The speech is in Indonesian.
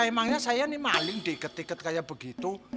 emangnya saya nih maling diketiket kayak begitu